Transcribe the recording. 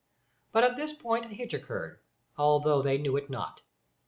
But at this point a hitch occurred, though they knew it not.